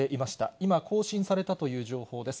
今、更新されたという情報です。